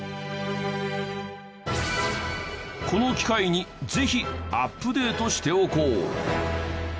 この機会にぜひアップデートしておこう。